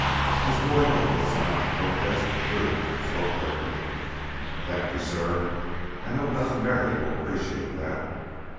As Boyd opened his mouth to protest, Drew spoke quickly: "Thank you, suh. I know Cousin Merry will appreciate that."